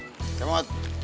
jaga neng ya